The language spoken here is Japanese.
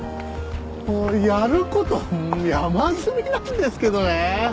もうやること山積みなんですけどねぇ。